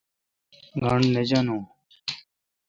گاݨڈ نہ جانون۔